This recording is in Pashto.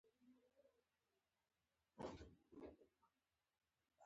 محمود څو ځله بېعزتي شو.